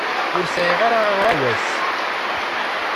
Ur sɛiɣ ara aɣawas.